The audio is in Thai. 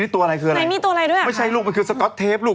ไม่ใช่ลูกมันคือสก๊อตเทปลูก